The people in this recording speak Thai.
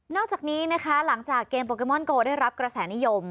อกจากนี้นะคะหลังจากเกมโปเกมอนโกได้รับกระแสนิยม